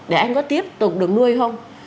để anh có tiếp tục được nuôi không